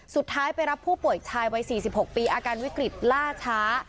สุดท้ายไปรับผู้ป่วยชายวัย๔๖ปีอาการวิกฤตล่าช้า